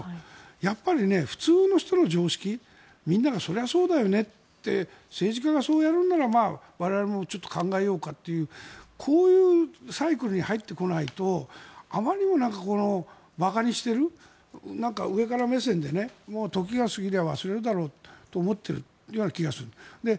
やっぱり普通の人の常識みんながそれはそうだよねって政治家がそうやるなら我々もちょっと考えようかというこういうサイクルに入ってこないとあまりにも馬鹿にしてる上から目線で時が過ぎれば忘れるだろうと思っているような気がする。